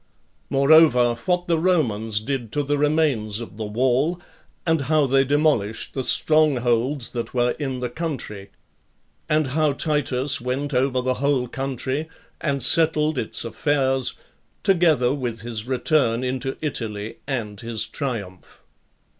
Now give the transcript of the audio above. Moreover, what the Romans did to the remains of the wall; and how they demolished the strong holds that were in the country; and how Titus went over the whole country, and settled its affairs; together with his return into Italy, and his triumph.